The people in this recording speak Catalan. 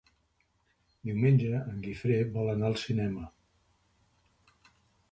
Diumenge en Guifré vol anar al cinema.